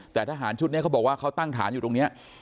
แต่ทหารชุดนี้เขาบอกว่าเขาตั้งฐานอยู่ตรงนี้